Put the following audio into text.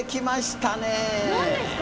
何ですか？